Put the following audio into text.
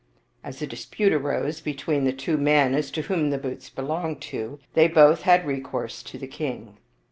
As a dispute arose between the two men as to whom the boots belonged to, they both had recourse to the king.